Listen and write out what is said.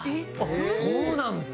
そうなんですね。